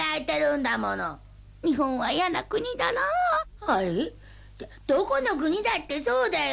どこの国だってそうだよ。